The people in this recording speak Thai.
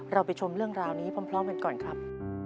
เราไปชมเรื่องราวนี้พร้อมกันก่อนครับ